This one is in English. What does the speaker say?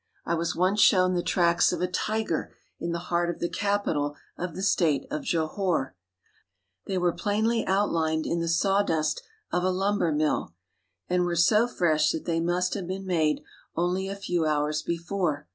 I was once shown the tracks of a tiger in the heart of the capital of the state of Johore. They were plainly outlined in the saw dust of a lumber mill, and were so fresh that they must have been made only a few hours before.